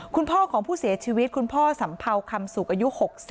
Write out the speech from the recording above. คุณพ่อของผู้เสียชีวิตคุณพ่อสัมเภาคำสุกอายุ๖๐